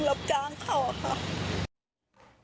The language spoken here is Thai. แล้วมันจะเลือกน้อยเพียงใดเลือกเข้าใน